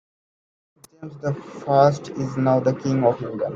James the First is now the King of England.